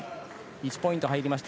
１ポイント入りました。